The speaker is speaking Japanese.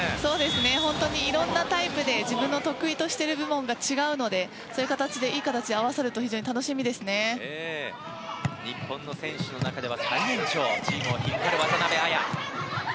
本当にいろいろなタイプで自分の得意としている部門が違うのでいい形で合わさると日本の選手の中では最年長チームを引っ張る渡邊彩。